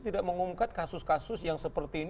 tidak mengungkap kasus kasus yang seperti ini